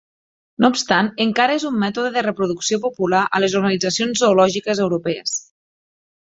No obstant, encara és un mètode de reproducció popular a les organitzacions zoològiques europees.